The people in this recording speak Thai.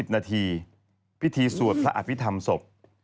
นาทีพิธีสวดพระอภิษฐรรมศพ